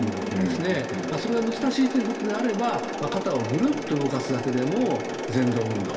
それが難しいということであれば肩をぐるっと動かすだけでもぜん動運動